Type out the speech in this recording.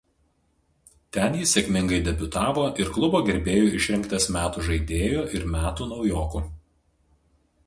Ten jis sėkmingai debiutavo ir klubo gerbėjų išrinktas metų žaidėju ir metų naujoku.